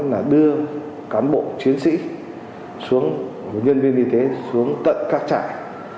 là đưa cán bộ chiến sĩ xuống nhân viên y tế xuống tận các trại